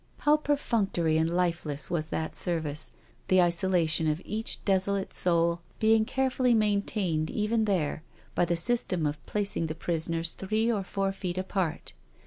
How perfunctory and lifeless was that service, the isolation of each desolate soul being carefully maintained even there, by the system of placing the prisoners three or four feet apart.